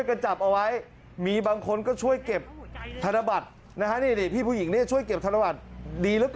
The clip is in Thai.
ตายแล้วนี่มันโดนแทงเขาดิ